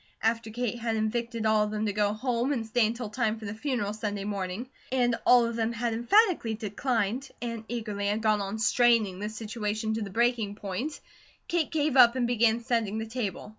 After Kate had invited all of them to go home and stay until time for the funeral Sunday morning, and all of them had emphatically declined, and eagerly had gone on straining the situation to the breaking point, Kate gave up and began setting the table.